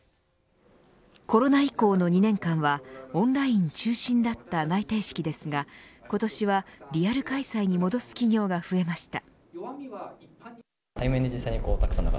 コロナ以降の２年間はオンライン中心だった内定式ですが、今年はリアル開催に戻す企業が増えました。